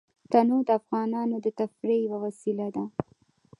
تنوع د افغانانو د تفریح یوه وسیله ده.